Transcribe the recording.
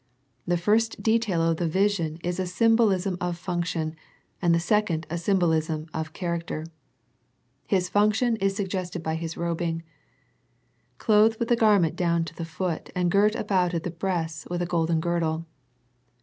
The first detail of the vision is a sym *bolism of function, and the second a symbolism of character. His function is suggested by His robing. " Clothed with a garment down to the foot, and girt about at the breasts with a golden girdle."